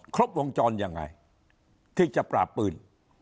ครบวงจรยังไงที่จะปราบปืน